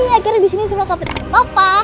yeay akhirnya disini semua kapten papa